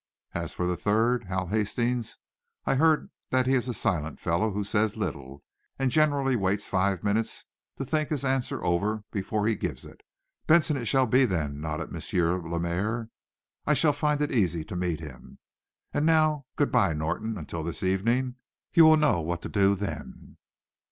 As for the third, Hal Hastings, I hear that he is a silent fellow, who says little, and generally waits five minutes, to think his answer over, before he gives it." "Benson it shall be, then," nodded M. Lemaire. "I shall find it easy to meet him. And now, good bye, Norton, until this evening. You will know what to do then."